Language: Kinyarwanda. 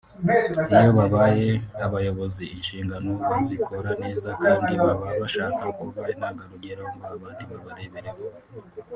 iyo babaye abayobozi inshingano bazikora neza kandi baba bashaka kuba intangarugero ngo abandi babarebereho